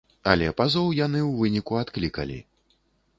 Але пазоў яны ў выніку адклікалі.